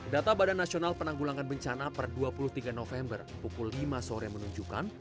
data badan nasional penanggulangan bencana per dua puluh tiga november pukul lima sore menunjukkan